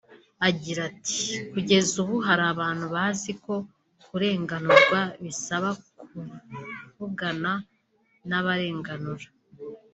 Agira ati "Kugeza ubu hari abantu bazi ko kurenganurwa bisaba kuvugana n’abarenganura